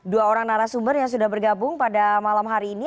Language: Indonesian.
dua orang narasumber yang sudah bergabung pada malam hari ini